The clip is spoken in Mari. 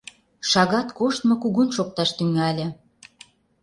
Шагат коштмо кугун шокташ тӱҥале.